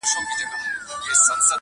o د ماره ماربچي زېږي، د اوره سرې سکروټي٫